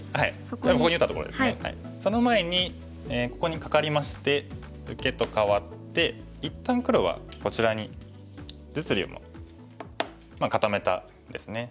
その前にここにカカりまして受けと換わって一旦黒はこちらに実利も固めたんですね。